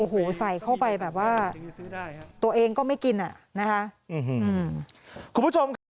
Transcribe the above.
โอ้โหใส่เข้าไปแบบว่าตัวเองก็ไม่กินอะนะคะ